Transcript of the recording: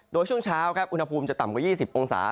โดยช่วงเช้าครับอุณหภูมิจะต่ำกว่า๒๐องศา